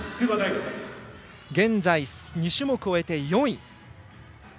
現在、２種目を終えて４位。